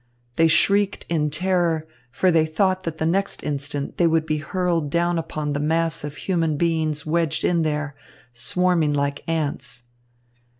They shrieked in terror, for they thought that the next instant they would be hurled down upon the mass of human beings wedged in there, swarming like ants.